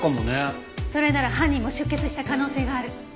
それなら犯人も出血した可能性がある。